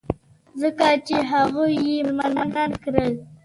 ځکه چې هغوى يې مسلمانان کړل.